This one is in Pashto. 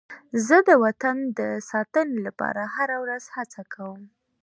زه د وطن د ساتنې لپاره هره ورځ هڅه کوم.